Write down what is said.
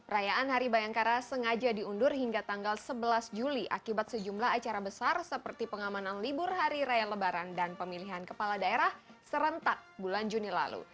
rayaan hari bayangkara sengaja diundur hingga tanggal sebelas juli akibat sejumlah acara besar seperti pengamanan libur hari raya lebaran dan pemilihan kepala daerah serentak bulan juni lalu